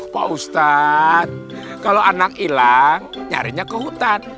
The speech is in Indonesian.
pak ustadz kalau anak hilang nyarinya ke hutan